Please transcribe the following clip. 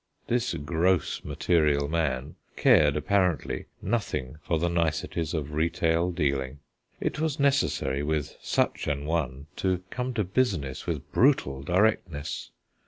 This gross, material man cared, apparently, nothing for the niceties of retail dealing. It was necessary with such an one to come to business with brutal directness.